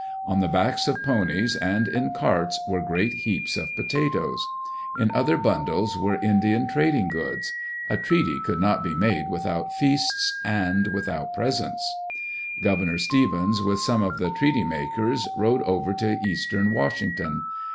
On the backs of ponies and in carts were great heaps of potatoes. In other [.06] Digitized by VjOOQ IC THE GREAT COUNCIL AT WALLA JVALLA bundles were Indian trading goods. A treaty could not be made without feasts and without presents. Governor Stevens, with some of the treaty makers, rode over to eastern Washington.